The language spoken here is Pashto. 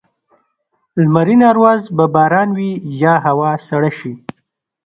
لمرینه ورځ به باران وي یا هوا سړه شي.